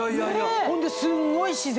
ほんですんごい自然！